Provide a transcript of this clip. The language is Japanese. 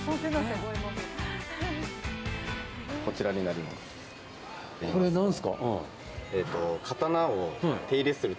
こちらになります。